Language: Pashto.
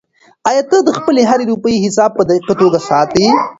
آیا ته د خپلې هرې روپۍ حساب په دقیقه توګه ساتې؟